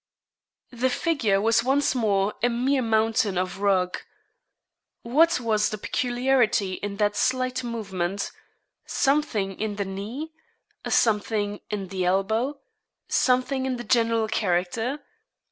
The figure was once more a mere mountain of rug. What was the peculiarity in that slight movement something in the knee? something in the elbow? something in the general character?